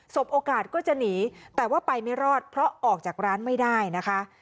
บโอกาสก็จะหนีแต่ว่าไปไม่รอดเพราะออกจากร้านไม่ได้นะคะ